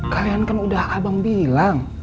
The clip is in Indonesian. kalian kan udah abang bilang